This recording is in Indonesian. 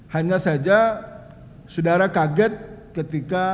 hanya saja saudara kaget ketika